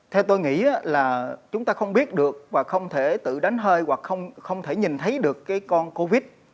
theo tôi nghĩ là chúng ta không biết được và không thể tự đánh hơi hoặc không thể nhìn thấy được cái con covid